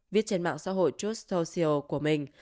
viết trên mạng xã hội just social của mình